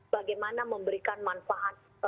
bagaimana memberikan manfaat